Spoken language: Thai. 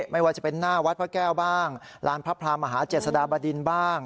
ไม่ว่าจะเป็นหน้าวัดพระแก้วบ้างลานพระพรามหาเจษฎาบดินบ้าง